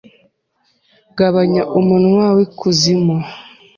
Gabanya umunwa w'ikuzimu